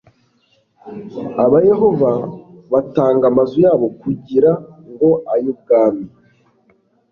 abayehova batanga amazu yabo kugira ngo ay'Ubwami,